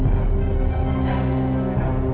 yang sepupu gini